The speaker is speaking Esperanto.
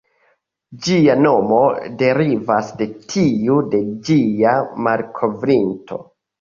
Ĝia nomo derivas de tiu de ĝia malkovrinto.